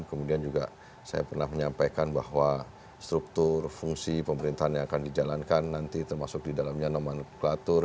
kemudian juga saya pernah menyampaikan bahwa struktur fungsi pemerintahan yang akan dijalankan nanti termasuk di dalamnya nomenklatur